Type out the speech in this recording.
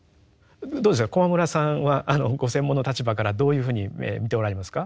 どうですか駒村さんはご専門の立場からどういうふうに見ておられますか？